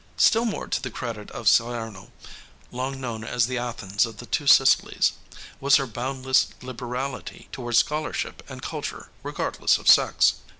Still more to the credit of Salerno, long known as the Athens of the two Sicilies, was her boundless liberality toward scholarship and culture regardless of sex.